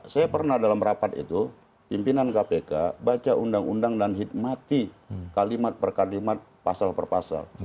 saya pernah dalam rapat itu pimpinan kpk baca undang undang dan hikmati kalimat per kalimat pasal per pasal